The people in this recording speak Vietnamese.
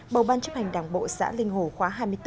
bầu ban chấp hành đảng bộ xã linh hồ khóa hai mươi bốn